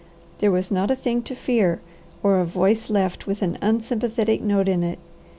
There was not a thing to fear or a voice left with an unsympathetic note in it.